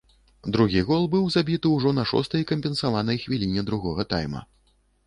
Другі гол быў забіты ўжо на шостай кампенсаванай хвіліне другога тайма.